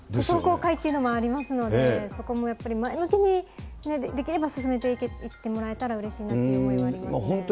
壮行会っていうのもありますのでね、そこもやっぱり、前向きに、できれば進めていってもらえればうれしいという思いはありますね。